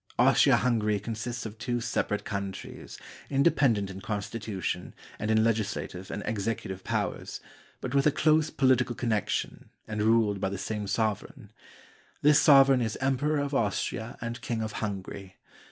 Austria Hungary consists of two separate countries, inde pendent in constitution, and in legislative and executive powers, but with a close political connection and ruled by the same sovereign. This sovereign is Emperor of Austria and King of Hungary.